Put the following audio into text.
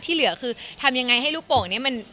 ที่เหลือคือทำยังไงให้รูปปาอลุ่นมันอยู่เหมือนเดิม